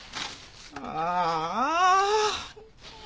ああ。